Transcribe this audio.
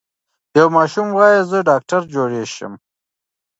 یو ماشوم وايي زه ډاکټر جوړ شم.